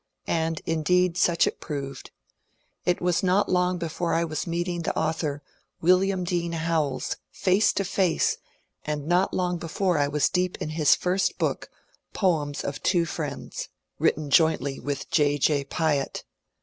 And indeed such it proved. It was not long before I was meeting the author, William Dean Howells, face to face, and not long before I was deep in his first book, ^^ Poems of Two Friends " (written jointly with J. J. Piatt).